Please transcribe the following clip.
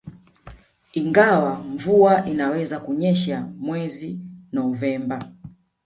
Ingawa mvua inaweza kunyesha mwezi Novemba